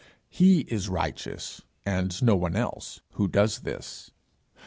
He is righteous, and no one else, who does this.